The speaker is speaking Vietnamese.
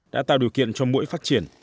đã tạo điều kiện cho mũi phát triển